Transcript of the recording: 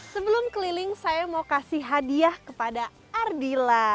sebelum keliling saya mau kasih hadiah kepada ardila